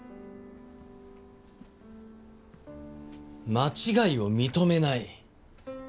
間違いを認めない。